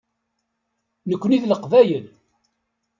Nekkni d Leqbayel.